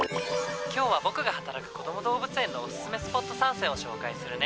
今日は僕が働くこども動物園のおすすめスポット３選を紹介するね。